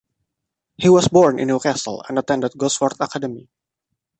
He was born in Newcastle and attended Gosforth Academy.